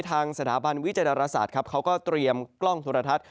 ทางสถาบันวิจารศาสตร์ครับเขาก็เตรียมกล้องโทรทัศน